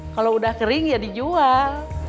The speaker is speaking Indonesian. kalau udah kering ya dijual